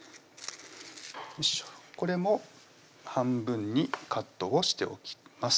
これも半分にカットをしておきます